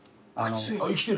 生きてる。